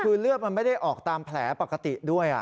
คือเลือดมันไม่ได้ออกตามแผลปกติด้วย